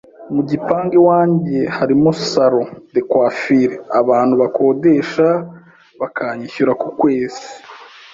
mu gipangu iwanjye harimo Salon de Coiffure abantu bakodesha bakanyishyura ku kwezi